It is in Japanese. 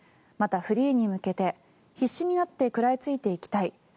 また、フリーに向けて必死になって食らいついていきたい